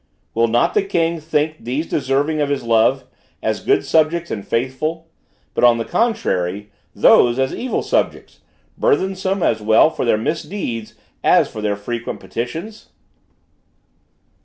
"Will not the king think these deserving of his love, as good subjects and faithful; but, on the contrary, those as evil subjects, burthensome as well for their misdeeds as for their frequent petitions?"